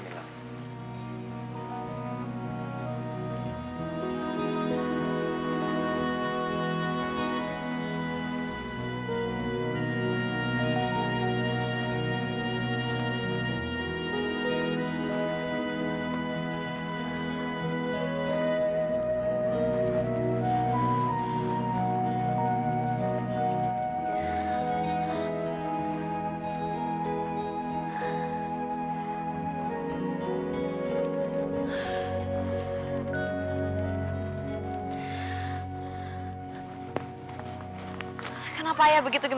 semoga kau mempertimbangkan tawaratku tadi